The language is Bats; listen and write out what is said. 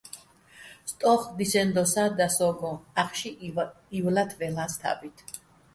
სტო́უხკო̆ დისენო̆ დოსა́ და სო́გო, ახში ივლათ ვაჲლ'ას თა́ბით.